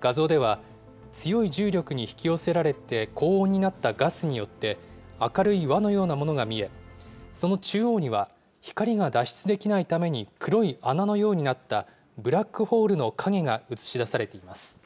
画像では強い重力に引き寄せられて高温になったガスによって、明るい輪のようなものが見え、その中央には光が脱出できないために黒い穴のようになったブラックホールの影が映し出されています。